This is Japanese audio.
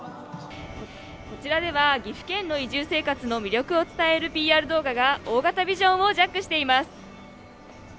こちらでは、岐阜県の移住生活の魅力を伝えるＰＲ動画が大型ビジョンをジャックしています。